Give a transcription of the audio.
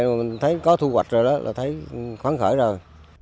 rồi mình thấy có thu hoạch rồi đó là thấy khoáng khởi rồi